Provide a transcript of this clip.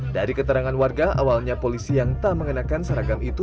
dari keterangan warga awalnya polisi yang tak mengenakan seragam itu